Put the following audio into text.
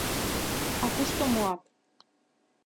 А кушто муат?